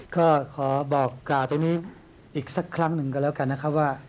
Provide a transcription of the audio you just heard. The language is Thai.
ก็ขอบอกกล่าวตรงนี้อีกสักครั้งหนึ่งก็แล้วกันนะครับว่า